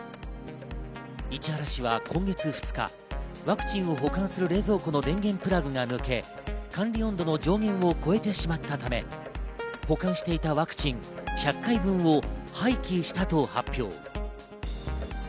市原市は今月２日、ワクチンを保管する冷蔵庫の電源プラグが抜け管理温度の上限を超えてしまったため保管していたワクチン１００回分を廃棄したと発表。